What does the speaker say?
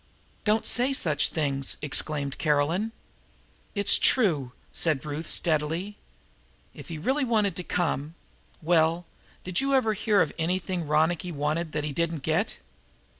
"Don't say such things!" exclaimed Caroline. "It's true," said Ruth steadily. "If he really wanted to come here well, did you ever hear of anything Ronicky wanted that he didn't get?"